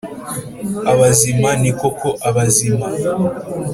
Abazima ni koko abazima